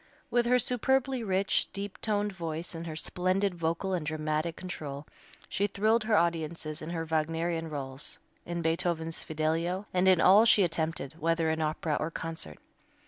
With her superbly rich, deep toned voice and her splendid vocal and dramatic control she thrilled her audiences in her Wagnerian rôles, in Beethoven's "Fidelio," and in all she attempted, whether in opera or concert.